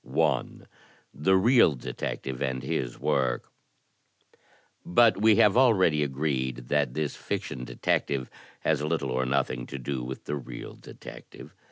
I. The Real Detective and His Work But we have already agreed that this fiction detective has little or nothing to do with the real detective.